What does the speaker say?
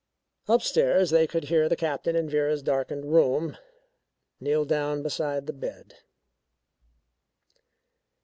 Upstairs they could hear the Captain in Vera's darkened room, kneel down beside the bed.